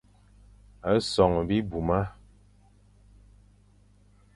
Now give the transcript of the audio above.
Son bibmuma.